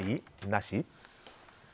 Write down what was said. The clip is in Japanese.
なし？